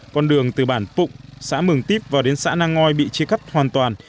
con đường từ bản phụng xã mường típ vào đến xã nang ngoi bị chia cắt hoàn toàn